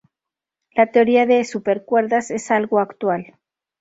La teoría de supercuerdas es algo actual.